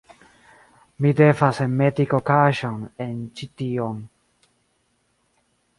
Mi devas enmeti kokaĵon en ĉi tion